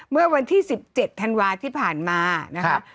เมื่อวันที่๑๗ธันวาที่ผ่านมานะครับ